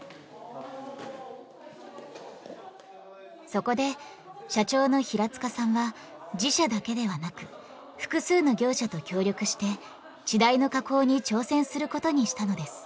そこで社長の平塚さんは自社だけではなく複数の業者と協力してチダイの加工に挑戦することにしたのです。